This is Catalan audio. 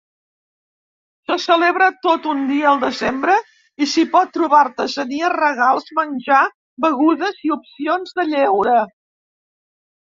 Se celebra tot un dia al desembre i s'hi pot trobar artesania, regals, menjar, begudes i opcions de lleure.